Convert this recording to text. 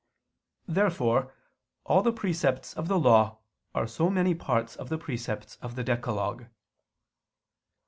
Therefore all the precepts of the Law are so many parts of the precepts of the decalogue.